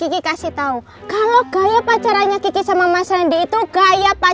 goofy kasih tau kalau kaya pacarkannya gigi sama mas untuk mencoreg orasinya juga rey dateng sama wiz sopogga